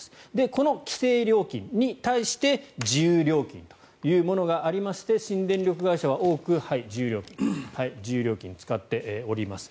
この規制料金に対して自由料金というものがありまして新電力会社は多く自由料金を使っております。